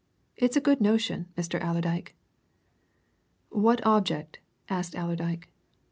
It's a good notion, Mr. Allerdyke." "What object?" asked Allerdyke.